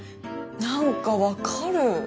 何か分かる。